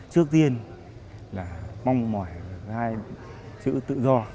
trước tiên là mong mỏi hai chữ tự do